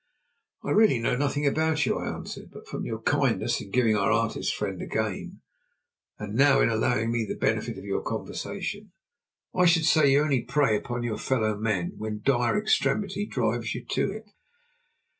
"I really know nothing about you," I answered. "But from your kindness in giving our artist friend a game, and now in allowing me the benefit of your conversation, I should say you only prey upon your fellow men when dire extremity drives you to it."